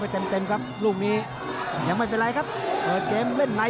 ทีมานซักอย่างเดินแล้วตอนนี้